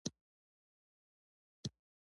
دا باید په اسانۍ د ویونکي د پوهېدو وړ وي.